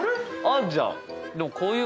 あるじゃん。